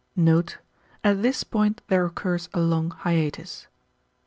[At this point there occurs a long hiatus.